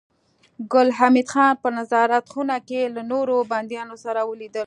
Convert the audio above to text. ګل حمید خان په نظارت خونه کې له نورو بنديانو سره ولیدل